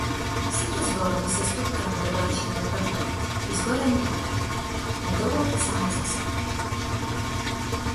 Сите зборови се стуткани догорчиња во пепелник, изгорени по тебе, недоволни сами за себе.